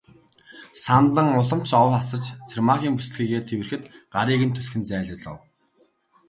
Самдан улам ч ов асаж Цэрэгмаагийн бүсэлхийгээр тэврэхэд гарыг нь түлхэн зайлуулав.